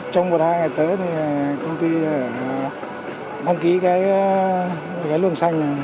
trong một hai ngày tới thì công ty đăng ký cái luồng xanh